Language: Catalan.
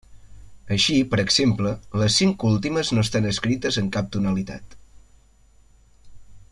Així, per exemple, les cinc últimes no estan escrites en cap tonalitat.